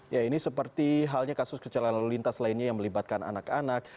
ya ini seperti halnya kasus kecelakaan lalu lintas lainnya yang melibatkan anak anak